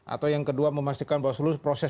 atau yang kedua memastikan bahwa seluruh proses